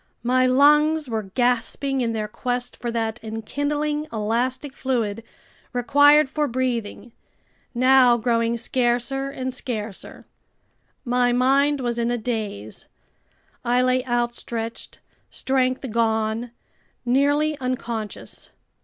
My lungs were gasping in their quest for that enkindling elastic fluid required for breathing, now growing scarcer and scarcer. My mind was in a daze. I lay outstretched, strength gone, nearly unconscious.